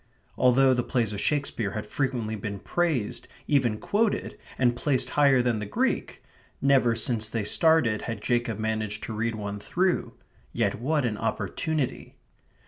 Although the plays of Shakespeare had frequently been praised, even quoted, and placed higher than the Greek, never since they started had Jacob managed to read one through. Yet what an opportunity!